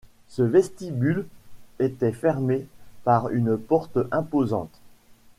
Ce vestibule était fermé par une porte imposante.